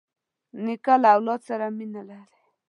نیکه له اولاد سره مینه لري.